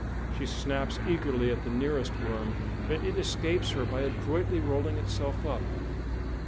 She snaps eagerly at the nearest "worm," but it escapes her by adroitly rolling itself up.